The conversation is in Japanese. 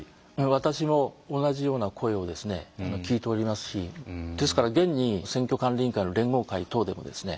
私も同じような声をですね聞いておりますしですから現に選挙管理委員会の連合会等でもですね